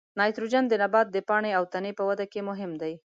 نایتروجن د نبات د پاڼې او تنې په وده کې مهم دی.